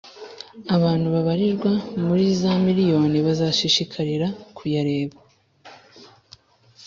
abantu babarirwa muri za miriyoni bazashishikarira kuyareba